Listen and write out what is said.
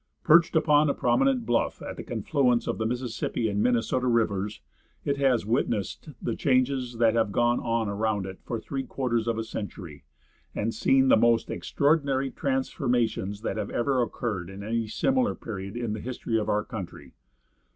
Perched upon a prominent bluff at the confluence of the Mississippi and Minnesota rivers, it has witnessed the changes that have gone on around it for three quarters of a century, and seen the most extraordinary transformations that have occurred in any similar period in the history of our country.